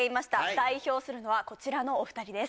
代表するのはこちらのお二人です